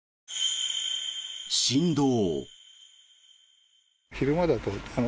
振動。